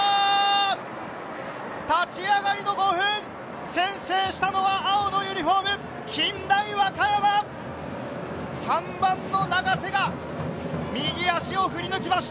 立ち上がりの５分、先制したのは青のユニホーム、近大和歌山、３番の長瀬が右足を振り抜きました。